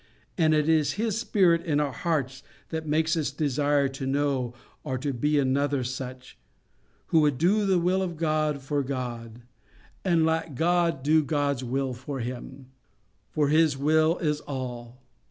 And it is His Spirit in our hearts that makes us desire to know or to be another such—who would do the will of God for God, and let God do God's will for Him. For His will is all.